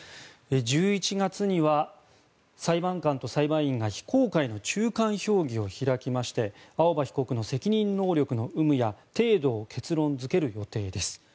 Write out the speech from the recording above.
１１月には裁判官と裁判員が非公開の中間評議を開きまして青葉被告の責任能力の有無や程度を結論付ける予定です。